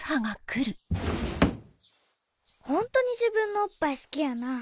ホントに自分のおっぱい好きやな。